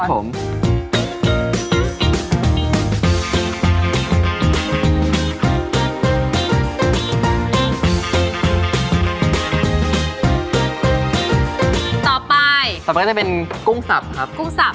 ต่อไปก็จะเป็นกรุ้งสับ